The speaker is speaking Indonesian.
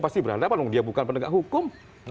pasti berhadapan dia bukan penegak hukum